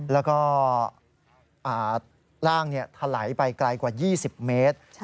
แล้วก็ร่างถลายไปไกลกว่า๒๐เมตร